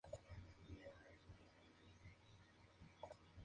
Plíšková comenzó el año en Brisbane International.